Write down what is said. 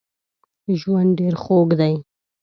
ژوند ډېر خوږ دی